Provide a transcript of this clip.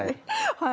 はい。